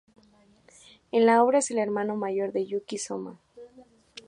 En la obra es el hermano mayor de Yuki Sōma.